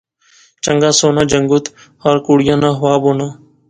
چنگا سوہنا جنگت ہر کڑیا ناں خواب ہونا